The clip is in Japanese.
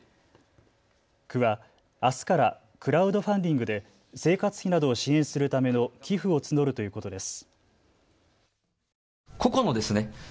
区は、あすからクラウドファンディングで生活費などを支援するための寄付を募るということです。